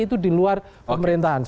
itu di luar pemerintahan